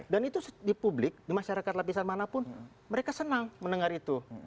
dan itu di publik di masyarakat lapisan manapun mereka senang mendengar itu